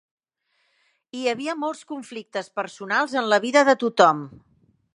Hi havia molts conflictes personals en la vida de tothom.